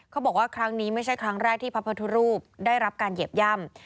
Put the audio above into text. เขาบอกว่าครั้งนี้ไม่ใช่ครั้งแรกที่พระพุทธรูปได้รับการเหยียบย่ำ